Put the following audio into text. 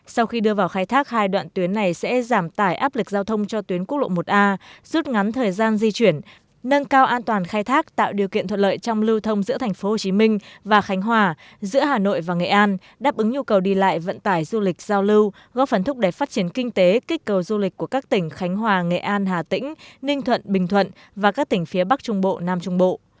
sau khi đưa vào khai thác hai đoạn tuyến này sẽ giảm tải áp lực giao thông cho tuyến quốc lộ một a rút ngắn thời gian di chuyển nâng cao an toàn khai thác tạo điều kiện thuận lợi trong lưu thông giữa thành phố hồ chí minh và khánh hòa giữa hà nội và nghệ an đáp ứng nhu cầu đi lại vận tải du lịch giao lưu góp phần thúc đẹp phát triển kinh tế kích cầu du lịch của các tỉnh khánh hòa nghệ an hà tĩnh ninh thuận bình thuận và các tỉnh phía bắc trung bộ nam trung bộ